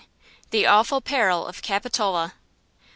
THE AWFUL PERIL OF CAPITOLA.